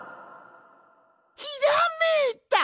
ひらめいた！